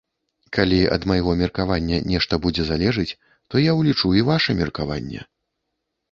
Калі ад майго меркавання нешта будзе залежыць, то я ўлічу і ваша меркаванне.